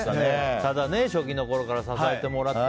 ただ初期のころから支えてもらって。